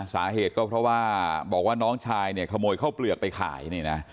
สาเหตุก็เพราะว่าบอกว่าน้องชายเนี่ยขโมยข้าวเปลือกไปขายนี่นะ